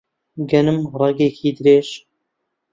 گەنم ڕەنگێکی درێژ